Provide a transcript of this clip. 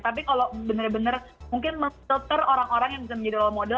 tapi kalau bener bener mungkin mencetar orang orang yang bisa menjadi role model